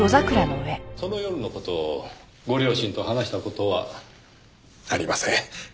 その夜の事をご両親と話した事は？ありません。